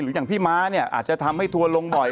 อย่างพี่ม้าเนี่ยอาจจะทำให้ทัวร์ลงบ่อย